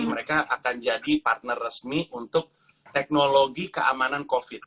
mereka akan jadi partner resmi untuk teknologi keamanan covid